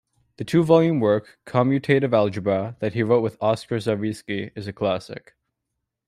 The two-volume work "Commutative Algebra" that he wrote with Oscar Zariski is a classic.